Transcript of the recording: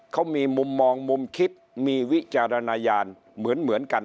เขามีมุมมองมุมคิดมีวิจารณญาณเหมือนกัน